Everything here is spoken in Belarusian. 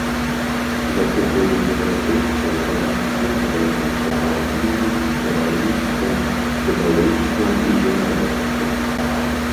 Да прыходу еўрапейцаў алганкіны займаліся паляваннем, збіральніцтвам, рыбалоўствам і земляробствам.